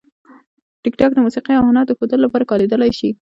ټیکټاک د موسیقي او هنر د ښودلو لپاره کارېدلی شي.